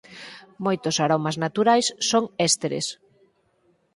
Moitos aromas naturais son ésteres.